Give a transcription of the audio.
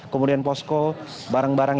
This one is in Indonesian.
kemudian posko barang barang